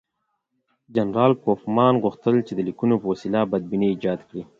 جنرال کوفمان غوښتل چې د لیکونو په وسیله بدبیني ایجاد کړي.